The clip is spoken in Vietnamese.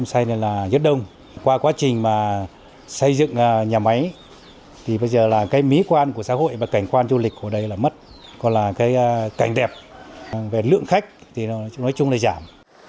xây dựng nhà máy thì bây giờ là cái mỹ quan của xã hội và cảnh quan du lịch của đây là mất còn là cái cảnh đẹp về lượng khách thì nói chung là giảm